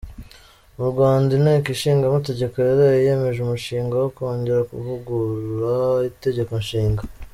Mu Rwanda, inteko ishinga amategeko yaraye yemeje umushinga wo kongera kuvugura itegeko nshinga.